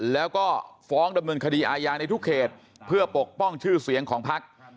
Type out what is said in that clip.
แล้วก็ฟ้องดำเนินคดีอาญาในทุกเขตเพื่อปกป้องชื่อเสียงของพัก